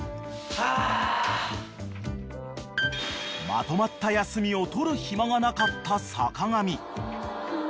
［まとまった休みを取る暇がなかった坂上］